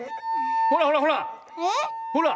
ほらほらほら！